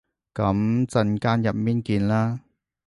噉陣間入面見啦